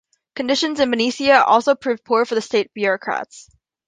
Conditions in Benicia also proved poor for state bureaucrats.